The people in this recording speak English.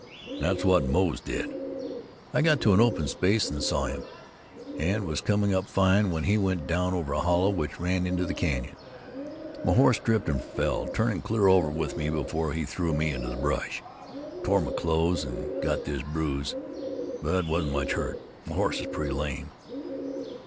That's what Moze did! I got to an open space and saw him, and was coming up fine when he went down over a hollow which ran into the canyon. My horse tripped and fell, turning clear over with me before he threw me into the brush. I tore my clothes, and got this bruise, but wasn't much hurt. My horse is pretty lame."